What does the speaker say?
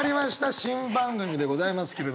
新番組でございますけれど。